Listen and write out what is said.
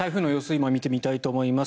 今、見てみたいと思います。